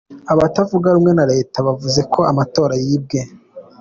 Abatavuga rumwe na leta bavuze ko amatora yibwe.